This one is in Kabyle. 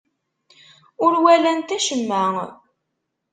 Ur walant acemma.